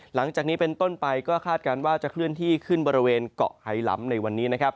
หลังจากนี้เป็นต้นไปก็คาดการณ์ว่าจะเคลื่อนที่ขึ้นบริเวณเกาะไฮล้ำในวันนี้นะครับ